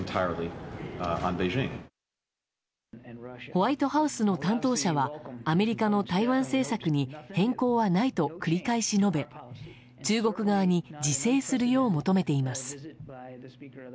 ホワイトハウスの担当者はアメリカの台湾政策に変更はないと繰り返し述べ中国側に自制するよう求めています。